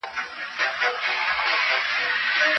د جرګي پريکړي به په ټولو ولایتونو کي پلي کيدلي.